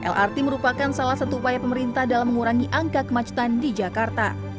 lrt merupakan salah satu upaya pemerintah dalam mengurangi angka kemacetan di jakarta